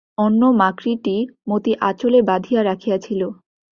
অন্য মাকড়িটি মতি আঁচলে বাধিয়া রাখিয়াছিল।